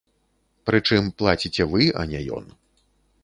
Прычым плаціце вы, а не ён.